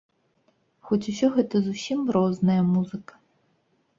Хоць усё гэта зусім розная музыка!